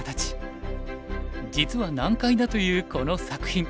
実は難解だというこの作品。